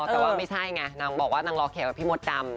แต่ว่าไม่ใช่ไงนางบอกว่านางรอแขกกับพี่มดดำ